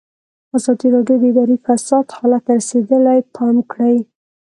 ازادي راډیو د اداري فساد حالت ته رسېدلي پام کړی.